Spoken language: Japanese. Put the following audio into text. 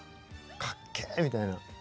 かっけみたいな。